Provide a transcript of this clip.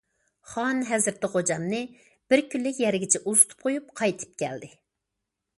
خان ھەزرىتى خوجامنى بىر كۈنلۈك يەرگىچە ئۇزىتىپ قويۇپ قايتىپ كەلدى.